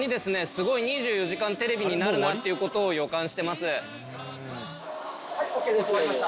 すごい『２４時間テレビ』になるなっていうことを予感してます。